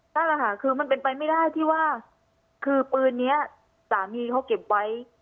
นั่นแหละค่ะคือมันเป็นไปไม่ได้ที่ว่าคือปืนนี้สามีเขาเก็บไว้